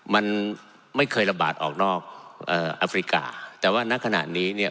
มันไม่เคยระบาดออกนอกเอ่ออฟริกาแต่ว่าณขณะนี้เนี่ย